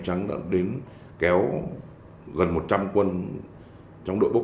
một mươi triệu đồng